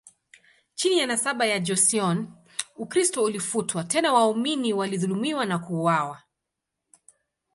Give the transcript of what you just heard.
Chini ya nasaba ya Joseon, Ukristo ulifutwa, tena waamini walidhulumiwa na kuuawa.